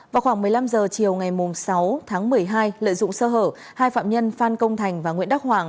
vào khoảng một mươi năm h chiều ngày sáu tháng một mươi hai lợi dụng sơ hở hai phạm nhân phan công thành và nguyễn đắc hoàng